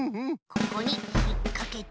ここにひっかけて。